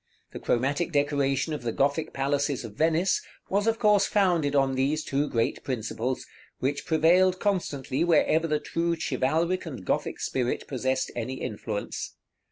The chromatic decoration of the Gothic palaces of Venice was of course founded on these two great principles, which prevailed constantly wherever the true chivalric and Gothic spirit possessed any influence.